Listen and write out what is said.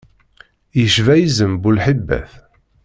Yecba izem bu lhibat.